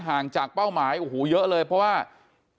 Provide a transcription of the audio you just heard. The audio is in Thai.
ห่างจากเป้าหมายโอ้โหเยอะเลยเพราะว่า